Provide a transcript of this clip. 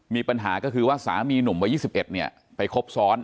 มีปัญหาก็คือว่าสามีหนุ่มวัย๒๑ไปครบซ้อน